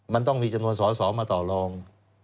มันต้องมีจำนวนสอสอมาต่อรอง